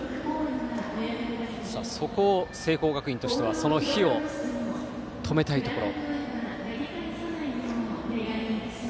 そこを聖光学院としてはその火を止めたいところ。